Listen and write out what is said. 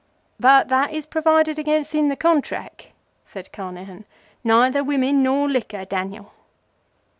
"But that is provided against in the Contrack," said Carnehan. "Neither Women nor Liquor, Daniel."